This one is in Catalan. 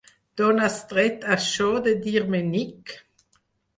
D'on has tret això de dir-me Nick?